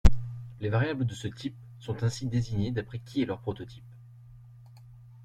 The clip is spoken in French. Les variables de ce type sont ainsi désignées d'après qui est leur prototype.